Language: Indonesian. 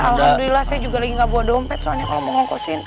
alhamdulillah saya juga lagi gak bawa dompet soalnya kalau mau ngongkosin